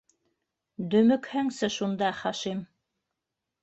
Дөмөкһәңсе шунда, Хашим...